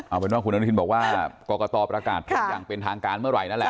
เอาเป็นว่าคุณอนุทินบอกว่ากรกตประกาศผลอย่างเป็นทางการเมื่อไหร่นั่นแหละ